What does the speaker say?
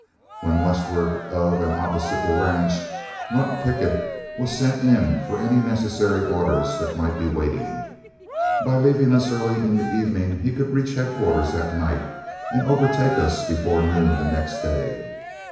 When westward of and opposite the ranch, Runt Pickett was sent in for any necessary orders that might be waiting. By leaving us early in the evening he could reach headquarters that night and overtake us before noon the next day.